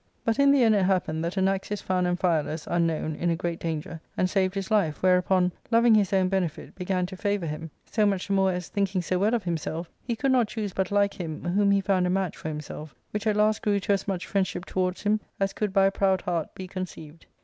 But in the end it happened that Anaxius found Amphialus (unknown) in a great danger, and saved his life, whereupon, loving his own benefit, began to favour him, so much the more as, think ing so well of himself, he could not choose but like him, whom he found a match for himself, which at last grew to as much friendship towards him as could by a proud heart be con ceived.